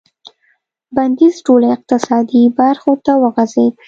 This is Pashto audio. بندیز ټولو اقتصادي برخو ته وغځېد.